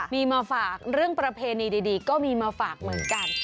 มีมาฝากเรื่องประเพณีดีก็มีมาฝากเหมือนกัน